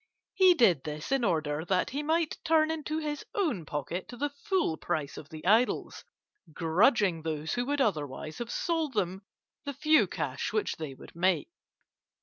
He did this in order that he might turn into his own pocket the full price of the idols, grudging those who would otherwise have sold them the few cash which they would make.